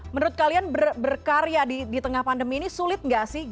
menurut kalian berkarya di tengah pandemi ini sulit nggak sih